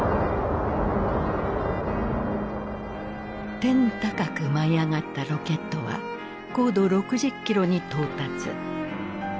天高く舞い上がったロケットは高度６０キロに到達。